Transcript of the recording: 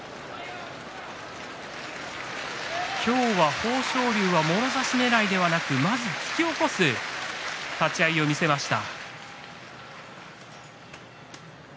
豊昇龍はもろ差しねらいではなく突き起こす立ち合いを見せました。